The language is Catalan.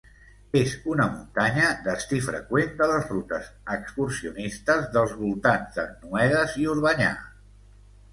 És una muntanya destí freqüent de les rutes excursionistes dels voltants de Noedes i Orbanyà.